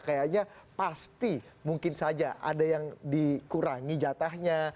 kayaknya pasti mungkin saja ada yang dikurangi jatahnya